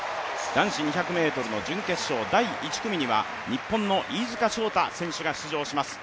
男子２００ｍの準決勝第１組には日本の飯塚翔太選手が出場します。